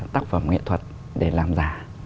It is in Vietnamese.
tác phẩm nghệ thuật để làm giả